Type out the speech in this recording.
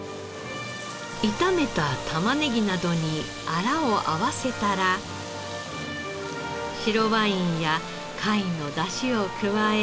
炒めたタマネギなどにアラを合わせたら白ワインや貝の出汁を加え。